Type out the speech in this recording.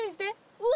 うわ！